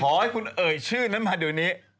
ขอให้คุณเอ่ยชื่อนั้นมาเดี๋ยวนี้